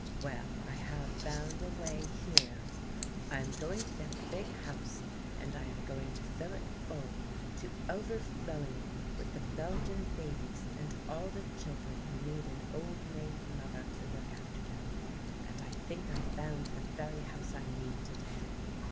Well, I have found a way here. I am going to get a big house and I am going to fill it full to overflowing with the Belgian babies and all the children who need an old maid mother to look after them. And I think I found the very house I need today.